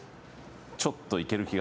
ちょっといける気が。